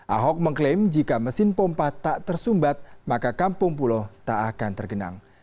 ahok mengklaim jika mesin pompa tak tersumbat maka kampung pulau tak akan tergenang